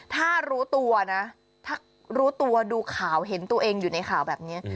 ถ้ารู้ตัวนะถ้ารู้ตัวดูข่าวเห็นตัวเองอยู่ในข่าวแบบนี้